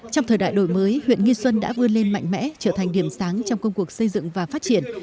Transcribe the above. trong thời đại đổi mới huyện nghi xuân đã vươn lên mạnh mẽ trở thành điểm sáng trong công cuộc xây dựng và phát triển